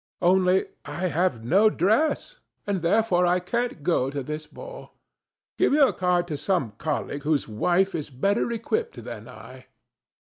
Only I have no dress, and therefore I can't go to this ball. Give your card to some colleague whose wife is better equipped than I."